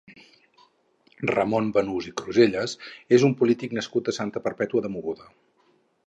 Ramon Banús i Crusellas és un polític nascut a Santa Perpètua de Mogoda.